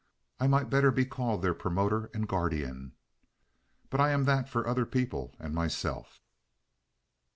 I might better be called their promoter and guardian; but I am that for other people and myself."